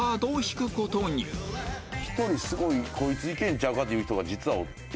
１人すごいこいついけんちゃうか？っていう人が実はおって。